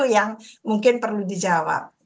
yang mungkin perlu dijawab